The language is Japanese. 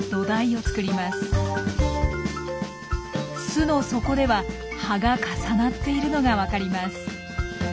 巣の底では葉が重なっているのがわかります。